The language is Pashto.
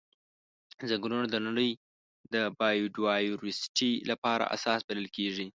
ځنګلونه د نړۍ د بایوډایورسټي لپاره اساس بلل کیږي.